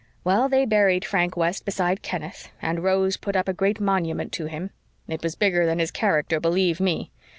Well, they buried Frank West beside Kenneth, and Rose put up a great big monument to him. It was bigger than his character, believe ME!